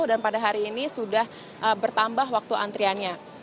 dan pada hari ini sudah bertambah waktu antriannya